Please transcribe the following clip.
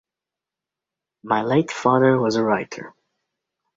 My late father was a writer.